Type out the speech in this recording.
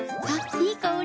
いい香り。